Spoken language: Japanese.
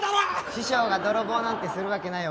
師匠が泥棒なんてするわけないよ。